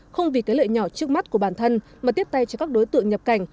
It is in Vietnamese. không vì cái lợi nhỏ trước mắt của bản thân mà tiếp tay cho các đối tượng nhập cảnh